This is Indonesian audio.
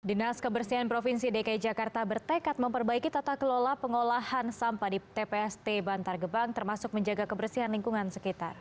dinas kebersihan provinsi dki jakarta bertekad memperbaiki tata kelola pengolahan sampah di tpst bantar gebang termasuk menjaga kebersihan lingkungan sekitar